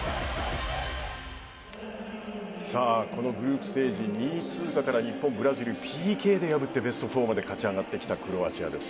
このグループステージ２位通過から日本、ブラジルをＰＫで破ってベスト４まで勝ち上がってきたクロアチアです。